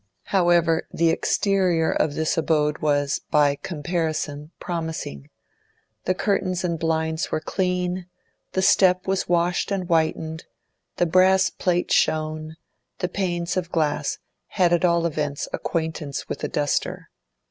However, the exterior of this abode was, by comparison, promising; the curtains and blinds were clean, the step was washed and whitened, the brass plate shone, the panes of glass had at all events acquaintance with a duster.